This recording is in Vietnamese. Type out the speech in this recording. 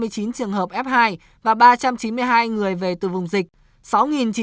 có một mươi tám trăm hai mươi chín trường hợp f hai và ba trăm chín mươi hai người về từ vùng dịch